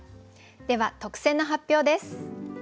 では特選の発表です。